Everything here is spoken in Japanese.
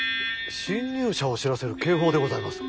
侵入者を知らせる警報でございます。